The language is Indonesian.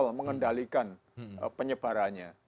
kita harus mengendalikan penyebarannya